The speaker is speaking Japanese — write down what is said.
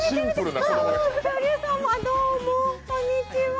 どうも、こんにちは。